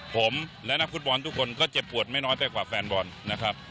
ผมและนักฟุตบอลทุกคนก็เจ็บปวดไม่น้อยไปกว่าแฟนบอลนะครับ